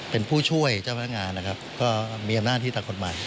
เป็นผู้ช่วยเจ้าพนักงานนะครับก็มีอำนาจที่ทางกฎหมาย